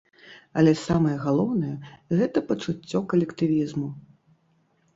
Але самае галоўнае, гэта пачуццё калектывізму.